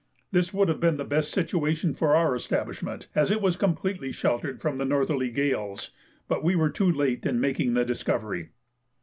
This would have been the best situation for our establishment, as it was completely sheltered from the northerly gales, but we were too late in making the discovery.